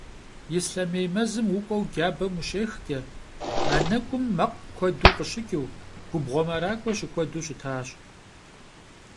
Ислъэмей мэзым укӏуэу джабэм ущехкӏэ, а нэкӏум мэкъу куэду къыщыкӏыу, губгъуэ мэракӏуэ щыкуэду щытащ.